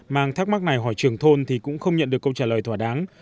mang thắc mắc này hỏi trưởng thôn thì cũng không nhận được câu trả lời thỏa đáng